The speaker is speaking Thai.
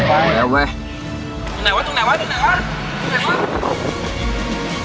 ตรงไหนวะตรงไหนวะตรงไหนวะ